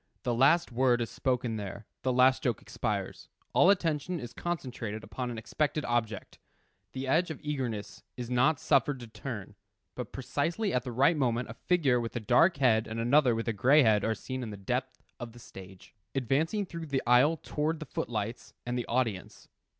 The last word is spoken there, the last joke expires; all attention is concentrated upon an expected object. The edge of eagerness is not suffered to turn, but precisely at the right moment a figure with a dark head and another with a gray head are seen at the depth of the stage, advancing through the aisle towards the foot lights and the audience.